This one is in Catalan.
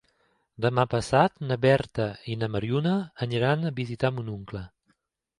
Demà passat na Berta i na Mariona aniran a visitar mon oncle.